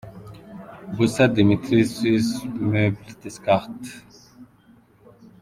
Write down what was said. Bussard Dimitri – Suisse Meubles Descartes “”